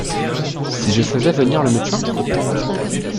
Si je faisais venir le médecin ?